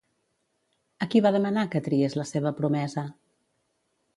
A qui va demanar que triés la seva promesa?